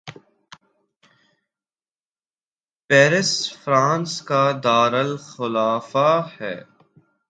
Paris France کا دارلخلافہ ہے